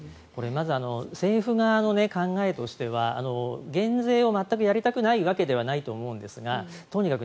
まず政府側の考えとしては減税を全くやりたくないわけではないと思うんですがとにかく